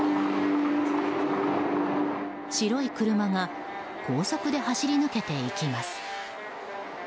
白い車が高速で走り抜けていきます。